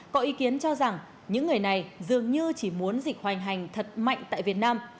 có ý kiến cho rằng những người này dường như chỉ muốn dịch hoành hành thật mạnh tại việt nam